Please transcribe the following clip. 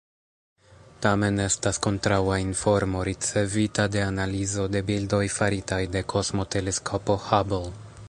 Tamen estas kontraŭa informo, ricevita de analizo de bildoj faritaj de Kosmoteleskopo Hubble.